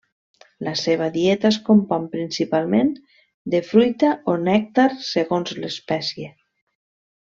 La seva dieta es compon principalment de fruita o nèctar, segons l'espècie.